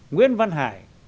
nguyễn văn hải